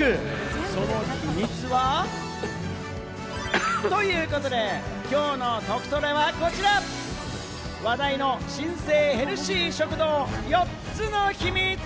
その秘密は？ということで、きょうのトクトレは、こちら、話題の新生ヘルシー食堂、４つの秘密！